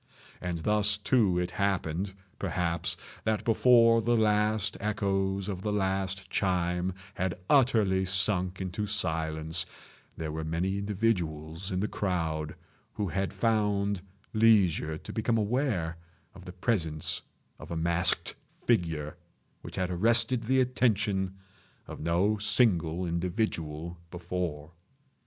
And thus, too, it happened, perhaps, that before the last echoes of the last chime had utterly sunk into silence, there were many individuals in the crowd who had found leisure to become aware of the presence of a masked figure which had arrested the attention of no single individual before.